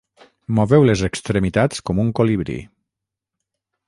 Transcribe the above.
Moveu les extremitats com un colibrí.